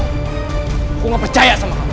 aku gak percaya sama kamu